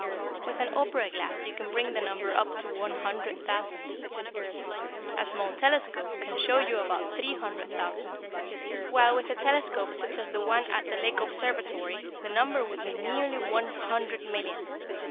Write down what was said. With an opera glass you can bring the number up to one hundred thousand. A small telescope can show about three hundred thousand, while with a telescope such as the one at the Lick Observatory the number would be nearly one hundred million.